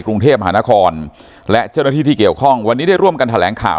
กรุงเทพหานครและเจ้าหน้าที่ที่เกี่ยวข้องวันนี้ได้ร่วมกันแถลงข่าว